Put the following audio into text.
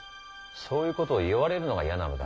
そういうことを言われるのが嫌なのだ。